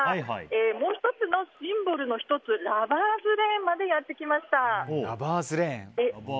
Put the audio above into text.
もう１つのシンボルラバーズレーンまでやってきました。